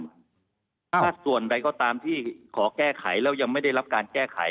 ถ้าส่วนใดก็ตามที่ขอแก้ไขแล้วยังไม่ได้รับการแก้ไข